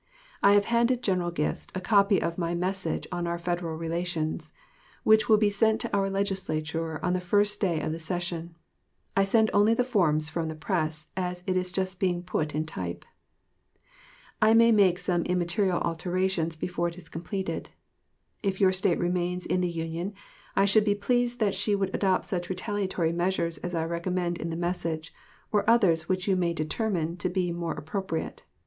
I have handed General Gist a copy of my message on our Federal relations, which will be sent to our Legislature on the first day of the session. I send only the forms from the press as it is just being put in type. I may make some immaterial alterations before it is completed. If your State remains in the Union, I should be pleased that she would adopt such retaliatory measures as I recommend in the message, or others which you may determine to be more appropriate.